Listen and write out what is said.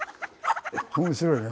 面白いね。